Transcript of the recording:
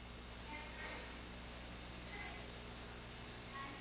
Za svého úřadování podporoval k nelibosti křesťanů původní kulty.